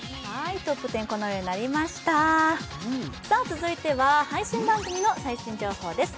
続いては、配信番組の最新情報です。